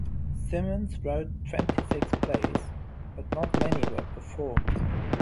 Symonds wrote twenty-six plays but not many were performed.